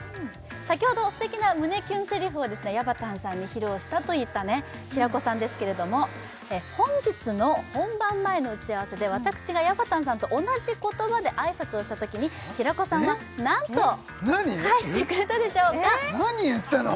先ほど素敵な胸キュンセリフをやばたんさんに披露したといった平子さんですけれども本日の本番前の打ち合わせで私がやばたんさんと同じ言葉で挨拶をしたときに平子さんは何と返してくれたでしょうか何言ったの？